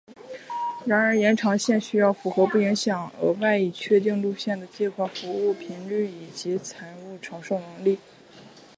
然而该延长线需要符合不影响额外已确定路线的计划服务频率以及财政承受能力。